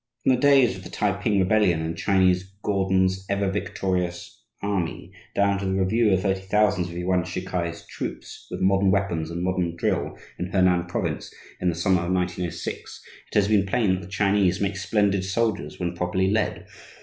From the days of the T'ai Ping Rebellion and "Chinese" Gordon's "ever victorious" army, down to the review of 30,000 of Yuan Shi K'ai's troops, with modern weapons and modern drill, in Honan Province in the summer of 1906, it has been plain that the Chinese make splendid soldiers when properly led.